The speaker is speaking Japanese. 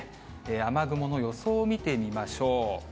雨雲の予想を見てみましょう。